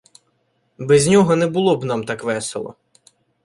Без нього не було б нам так весело.